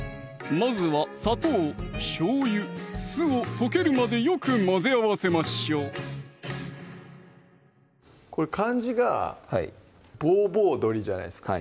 まずは砂糖・しょうゆ・酢を溶けるまでよく混ぜ合わせましょうこれ漢字が「棒棒鶏」じゃないですか